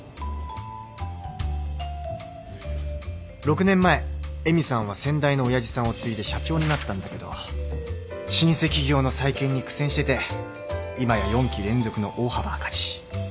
６年前絵美さんは先代の親父さんを継いで社長になったんだけど老舗企業の再建に苦戦してて今や４期連続の大幅赤字。